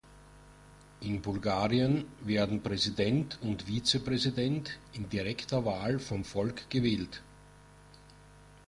In Bulgarien werden Präsident und Vizepräsident in direkter Wahl vom Volk gewählt.